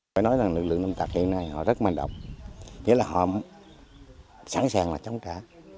phải nói rằng lực lượng lâm tặc hiện nay họ rất manh động nghĩa là họ sẵn sàng là chống trả